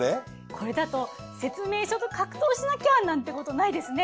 これだと説明書と格闘しなきゃなんてことないですね。